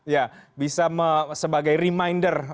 dan bisa sebagai reminder